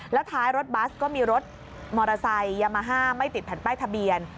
แล้วท้ายรถบัสก็มีรถมอเตอร์ไซค์ยามาฮ่าไม่ติดแผ่นป้ายทะเบียน